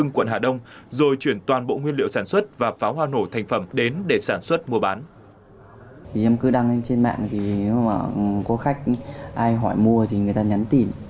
công an quận hà đông rồi chuyển toàn bộ nguyên liệu sản xuất và pháo hoa nổ thành phẩm đến để sản xuất mua bán